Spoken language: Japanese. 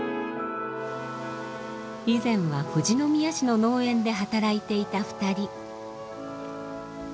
以前は富士宮市の農園で働いていた二人。